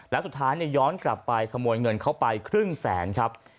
แล้วสุดท้ายย้อนกลับไปขโมยเงินเข้าไปครึ่งแสนครับ